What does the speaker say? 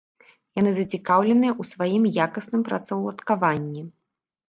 Яны зацікаўленыя ў сваім якасным працаўладкаванні.